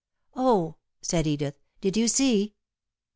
"Oh!" said Edith. "Did you see?"